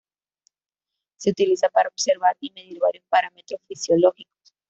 Se utiliza para observar y medir varios parámetros fisiológicos.